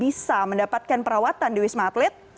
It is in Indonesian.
diinformasikan bahwa anda bisa mendapatkan perawatan di wisma atlet